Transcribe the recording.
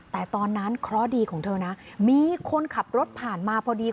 แต่ตอนนั้นเคราะห์ดีของเธอนะมีคนขับรถผ่านมาพอดี